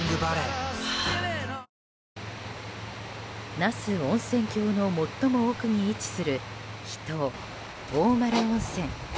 那須温泉郷の最も奥に位置する秘湯・大丸温泉。